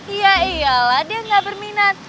iya iyalah dia gak berminat